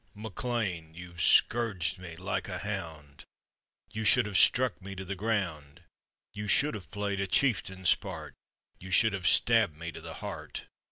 } "MacLean, you've scourged me like a hound ; You should have struck me to the ground, You should have play'd a chieftain's part You should have stabbed me to the heart.